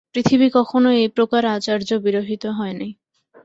পৃথিবী কখনও এই প্রকার আচার্য-বিরহিত হয় নাই।